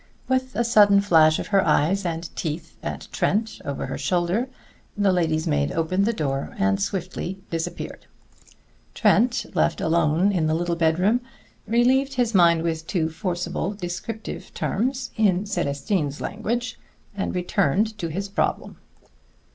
With a sudden flash of her eyes and teeth at Trent over her shoulder, the lady's maid opened the door and swiftly disappeared. Trent, left alone in the little bedroom, relieved his mind with two forcible descriptive terms in Célestine's language, and turned to his problem.